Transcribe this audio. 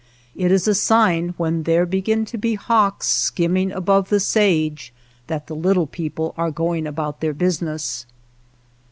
It is a sign when there begin to be hawks skimming above the sage that the little people are going about their business.